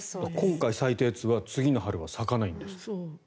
今回咲いたやつは次の春は咲かないんですって。